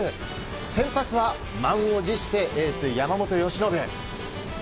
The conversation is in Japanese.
先発は満を持してエース山本由伸。